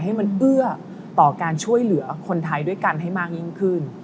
ให้มันเอื้อต่อการช่วยเหลือคนไทยด้วยกันให้มากยิ่งขึ้น